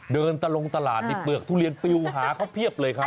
เดินตะลงตลาดในเปลือกทุเรียนปิวหาเขาเพียบเลยครับ